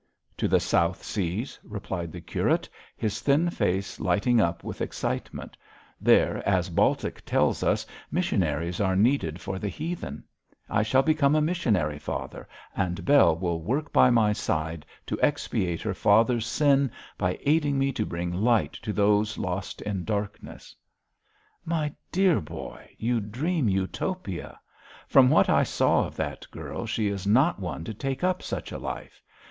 'To the South Seas,' replied the curate, his thin face lighting up with excitement; 'there, as Baltic tells us, missionaries are needed for the heathen. I shall become a missionary, father, and Bell will work by my side to expiate her father's sin by aiding me to bring light to those lost in darkness.' 'My poor boy, you dream Utopia. From what I saw of that girl, she is not one to take up such a life.